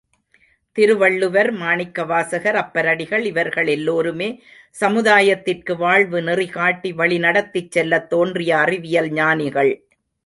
திருவள்ளுவர், மாணிக்கவாசகர், அப்பரடிகள் இவர்கள் எல்லோருமே சமுதாயத்திற்கு வாழ்வு நெறிகாட்டி வழி நடத்திச் செல்லத் தோன்றிய அறிவியல் ஞானிகள்.